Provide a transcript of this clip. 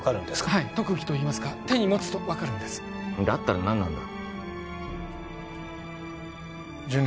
はい特技といいますか手に持つと分かるんですだったら何なんだ？